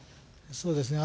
そうですね。